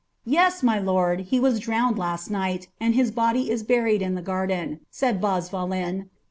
^ Yes, my lord^ he was drowned last night,' and his body is buried in the garden," said Bazvalen.